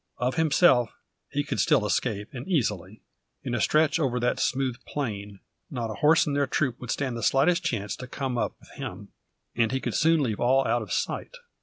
Of himself he could still escape and easily. In a stretch over that smooth plain, not a horse in their troop would stand the slightest chance to come up with him, and he could soon leave all out of sight.